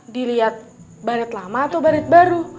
dilihat baret lama atau baret baru